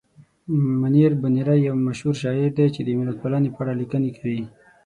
منیر بونیری یو مشهور شاعر دی چې د ملتپالنې په اړه لیکنې کوي.